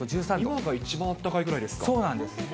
今が一番あったかいぐらいでそうなんです。